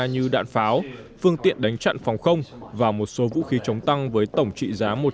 như đạn pháo phương tiện đánh trận phòng không và một số vũ khí chống tăng với tổng trị giá một trăm linh triệu đô la mỹ